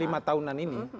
lima tahunan ini